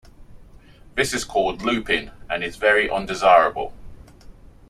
This is called "looping" and is very undesirable.